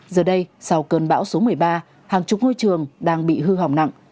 giờ đây sau cơn bão số một mươi ba hàng chục ngôi trường đang bị hư hỏng nặng